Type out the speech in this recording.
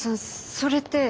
それって。